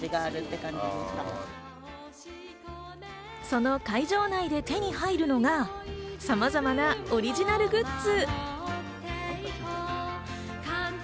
その会場内で手に入るのがさまざまなオリジナルグッズ。